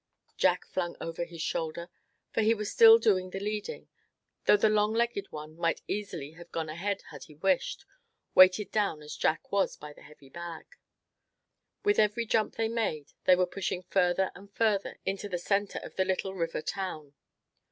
Jack flung over his shoulder, for he was still doing the leading, though the long legged one might easily have gone ahead had he wished, weighted down as Jack was by the heavy bag. With every jump they made they were pushing further and further into the centre of the little river town.